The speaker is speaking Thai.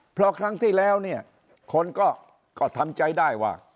เพราะครั้งที่แล้วเนี่ยคนก็ทำใจได้ว่า